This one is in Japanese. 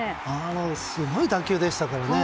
すごい打球でしたけどね。